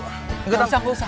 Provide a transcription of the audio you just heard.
engga usah engga usah